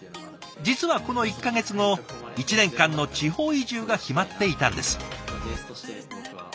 実はこの１か月後１年間の地方移住が決まっていたんです。